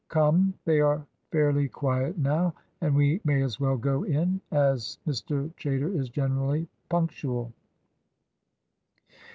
"Come, they are fairly quiet now, and we may as well go in, as Mr. Chaytor is generally punctual."